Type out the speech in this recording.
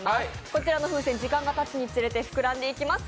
こちらの風船、時間がたつにつれて膨らんでいきます。